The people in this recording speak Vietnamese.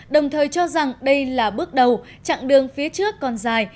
đồng thời cho rằng đây là bước đầu chặng đường phía trước còn dài